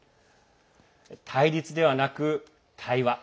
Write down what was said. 対立ではなく対話。